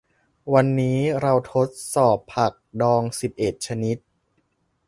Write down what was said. วันนี้เราทดสอบผักดองสิบเอ็ดชนิด